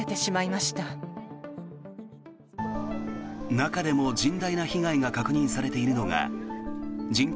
中でも甚大な被害が確認されているのが人口